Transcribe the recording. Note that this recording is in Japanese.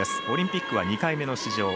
オリンピックは２回目の出場。